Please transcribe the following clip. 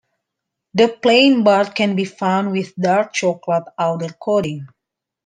The plain bar can be found with dark chocolate outer coating.